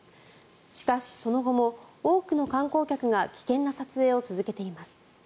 しかし、その後も多くの観光客が危険な撮影を続けています。